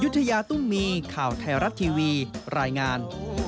ยุธยาตุ้มมีข่าวไทยรัฐทีวีรายงาน